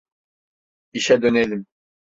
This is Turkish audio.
İşe dönelim.